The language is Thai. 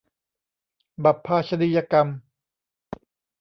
บัพพาชนียกรรม